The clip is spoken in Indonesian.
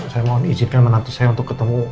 saya mohon izinkan menantu saya untuk ketemu